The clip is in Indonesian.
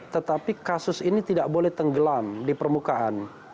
tetapi kasus ini tidak boleh tenggelam di permukaan